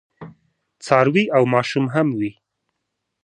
څاروي او ماشوم هم وي.